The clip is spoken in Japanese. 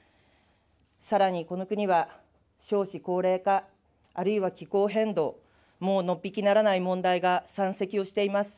さらにこの国は、少子高齢化、あるいは気候変動、もうのっぴきならない問題が山積をしています。